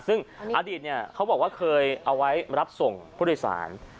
ซึ่งอดีตเขาบอกว่าเคยเอาไว้รับส่งผู้โดยสาร